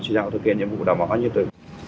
chỉ đạo thực hiện nhiệm vụ đảm bảo an ninh tự